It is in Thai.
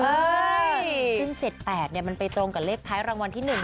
ซึ่ง๗๘มันไปตรงกับเลขท้ายรางวัลที่๑